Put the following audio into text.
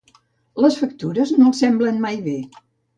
Les factures no els semblen mai bé